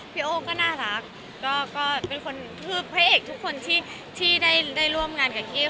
โอ้ก็น่ารักก็เป็นคนคือพระเอกทุกคนที่ได้ร่วมงานกับกิฟ